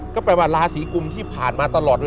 ก็เป็นราศรีกุมที่ผ่านมาตลอด